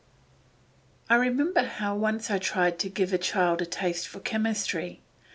I remember how I once tried to give a child a taste for chemistry.